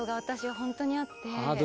本当にあって。